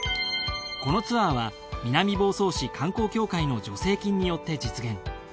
このツアーは南房総市観光協会の助成金によって実現。